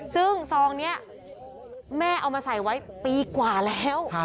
ซึ่งซองนี้แม่เอามาใส่ไว้ปีกว่าแล้ว